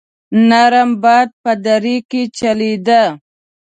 نرم باد په دره کې چلېده.